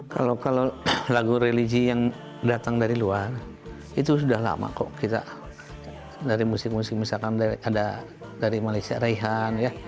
kalau lagu religi yang datang dari luar itu sudah lama kok kita dari musik musik misalkan ada dari malaysia raihan ya